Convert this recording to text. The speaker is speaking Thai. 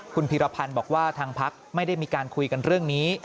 คุณพีรพันธ์บอกว่าทางพักไม่ได้มีการคุยกันเรื่องนี้